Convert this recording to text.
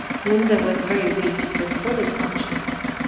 Linde was very weak but fully conscious.